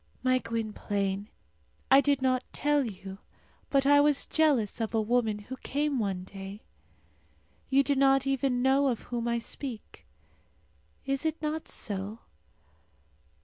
My Gwynplaine, I did not tell you, but I was jealous of a woman who came one day. You do not even know of whom I speak. Is it not so?